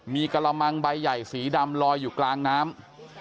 มีกระมังใบใหญ่สีดำลอยอยู่กลางน้ำ